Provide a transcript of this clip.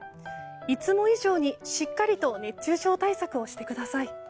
いつも以上にしっかりと熱中症対策をしてください。